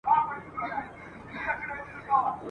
لکه چي جوړ سو !.